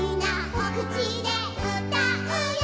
おくちでうたうよ